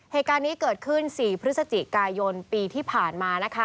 เหตุการณ์นี้เกิดขึ้น๔พฤศจิกายนปีที่ผ่านมานะคะ